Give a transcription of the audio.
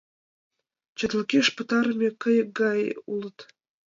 Четлыкеш петырыме кайык гай улыт.